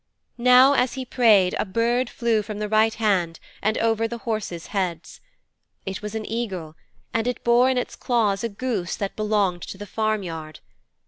Now as he prayed a bird flew from the right hand and over the horses' heads. It was an eagle, and it bore in its claws a goose that belonged to the farmyard.